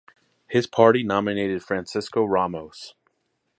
His party nominated Francisco Ramos.